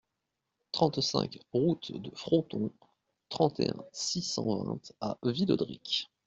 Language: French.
trente-cinq route de Fronton, trente et un, six cent vingt à Villaudric